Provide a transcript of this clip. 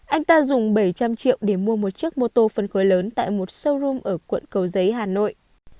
anh ta dùng bảy trăm linh triệu để mua một chiếc mô tô phân khối lớn tại một showroom ở quận cầu giấy hà nội